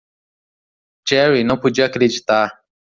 Jerry não podia acreditar.